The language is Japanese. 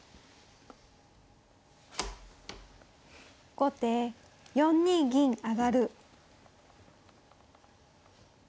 後手４二銀上。